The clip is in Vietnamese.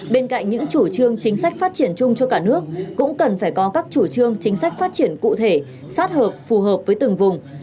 bên cạnh những chủ trương chính sách phát triển chung cho cả nước cũng cần phải có các chủ trương chính sách phát triển cụ thể sát hợp với từng vùng